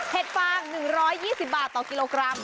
ฟาง๑๒๐บาทต่อกิโลกรัม